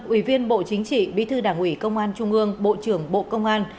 ủy viên bộ chính trị bí thư đảng ủy công an trung ương bộ trưởng bộ công an